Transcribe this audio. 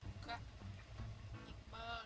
kak iqbal dapat surat dari tu